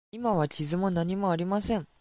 今は傷も何もありません。